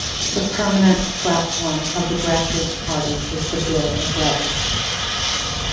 The permanent platform of the Grassroots Party is the Bill of Rights.